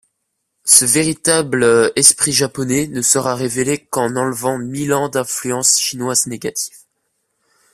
Ce véritable esprit japonais ne sera révélé qu'en enlevant mille ans d'influence chinoise négative.